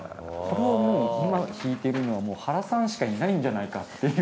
それはもう今弾いてるのは原さんしかいないんじゃないかっていう。